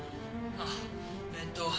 あっえっと